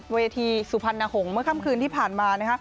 สุพรรณหงษ์เมื่อค่ำคืนที่ผ่านมา